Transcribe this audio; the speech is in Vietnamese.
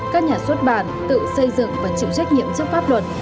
các nhà xuất bản tự xây dựng và chịu trách nhiệm trước pháp luật